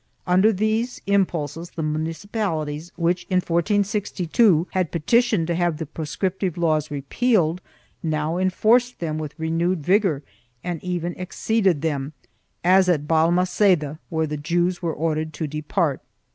1 Under these impulses the municipalities, which, in 1462, had petitioned to have the proscriptive laws repealed now enforced them with renewed vigor and even exceeded them, as at Balmaseda, where the Jews were ordered to depart.